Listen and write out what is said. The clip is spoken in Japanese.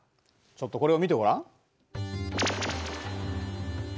ちょっとこれを見てごらん。